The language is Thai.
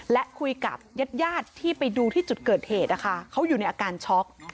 และคุยกับญาติญาติที่ไปดูที่จุดเกิดเหตุนะคะเขาอยู่ในอาการช็อก